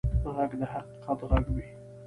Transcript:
غږ د حقیقت غږ وي